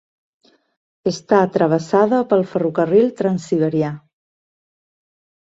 Està travessada pel ferrocarril Transsiberià.